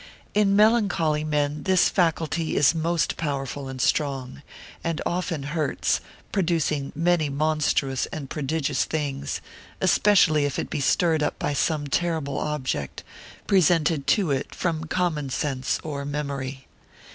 In melancholy men this faculty is most powerful and strong, and often hurts, producing many monstrous and prodigious things, especially if it be stirred up by some terrible object, presented to it from common sense or memory.